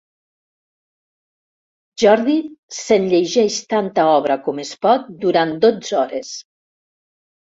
Jordi se'n llegeix tanta obra com es pot durant dotze hores.